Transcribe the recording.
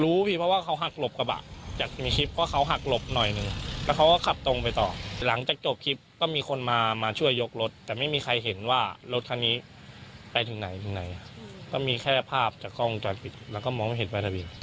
พี่เพราะว่าเขาหักหลบกระบะจากในคลิปเพราะเขาหักหลบหน่อยหนึ่งแล้วเขาก็ขับตรงไปต่อหลังจากจบคลิปก็มีคนมามาช่วยยกรถแต่ไม่มีใครเห็นว่ารถคันนี้ไปถึงไหนถึงไหนก็มีแค่ภาพจากกล้องจอดปิดแล้วก็มองไม่เห็นไฟทะเบียน